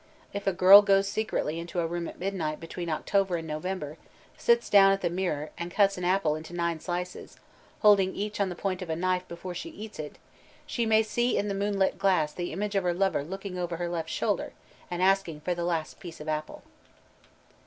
If a girl goes secretly into a room at midnight between October and November, sits down at the mirror, and cuts an apple into nine slices, holding each on the point of a knife before she eats it, she may see in the moonlit glass the image of her lover looking over her left shoulder, and asking for the last piece of apple.